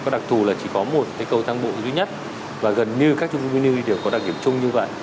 và đặc thù là chỉ có một cái cầu thang bộ duy nhất và gần như các trung cư mini đều có đặc điểm chung như vậy